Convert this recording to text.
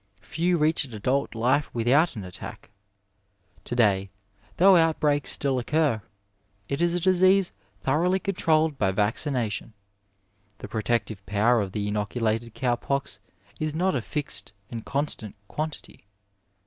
Few reached adult life without an attack. To day, though outbreaks still occur, it is a disease tho roughly controlled by vaccination. The protective power of the inoculated cow pox is not a fixed and constant quantity.